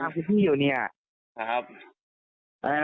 คุณพี่ตามผมอยู่เนี่ย